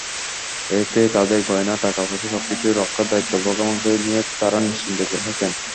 এতে তাঁদের গয়না, টাকাপয়সা সবকিছুরই রক্ষার দায়িত্ব ভগবানকে দিয়ে তাঁরা নিশ্চিন্তে থাকেন।